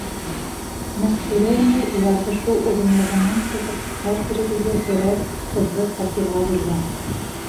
Мәстүрә инәй уларҙы шул оҙонлоғонан сығып, һәр беребеҙгә берәр ҡыҙҙы фатирға бүлгән.